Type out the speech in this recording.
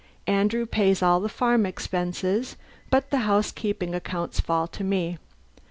Andrew pays all the farm expenses, but the housekeeping accounts fall to me.